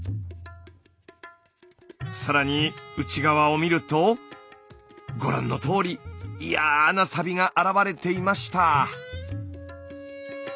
更に内側を見るとご覧のとおりいやなサビが現れていました。